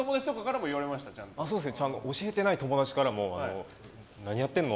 教えてない友達からも何やってるの？